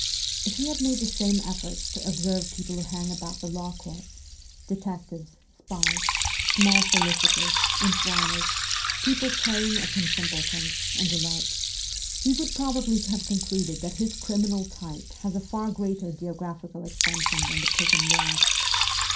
If he had made the same efforts to observe people who hang about the law courts detectives, spies, small solicitors, informers, people preying upon simpletons, and the like he would have probably concluded that his ' criminal type ' has a far greater geographical extension than the prison walls.